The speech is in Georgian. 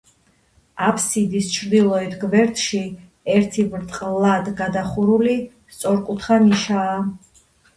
აფსიდის ჩრდილოეთ გვერდში ერთი ბრტყლად გადახურული სწორკუთხა ნიშაა.